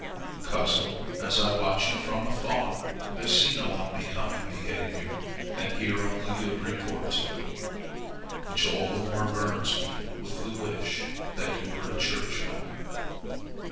Cousin, as I watch you from afar, I see no unbecoming behavior and hear only good reports of you, which all the more burns me with the wish that you were a church member.